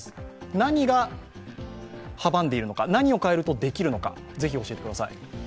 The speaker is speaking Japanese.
何が阻んでいるのか、何を変えるとできるのか、教えてください。